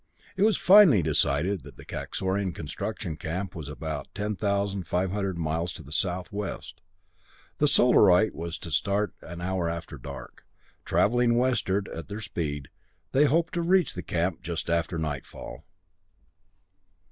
It was finally decided that the Kaxorian construction camp was about 10,500 miles to the southwest. The Solarite was to start an hour after dark. Travelling westward at their speed, they hoped to reach the camp just after nightfall.